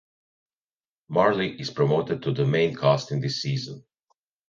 Marley is promoted to the main cast in this season.